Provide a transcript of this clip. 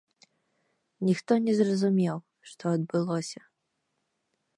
Ніхто не зразумеў, што адбылося.